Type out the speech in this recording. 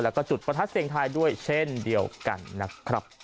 แล้วก็จุดประทัดเสียงทายด้วยเช่นเดียวกันนะครับ